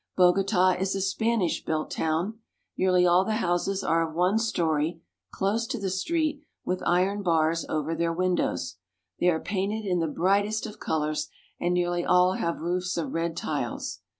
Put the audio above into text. Bogota is a Spanish built town. Nearly all the houses are of one story, close to the street, with iron bars over their windows. They are painted in the brightest of colors, and nearly all have roofs of red tiles.